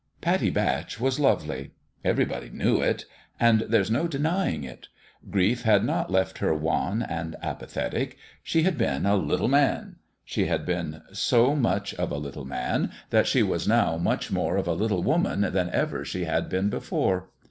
Pattie Batch was lovely. Everybody knew it ; and there's no denying it. Grief had not left her wan and apathetic. She had been " a little man." She had been so much of a little man that she was now much more of a little woman than ever she had been before.